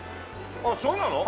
あっそうなの？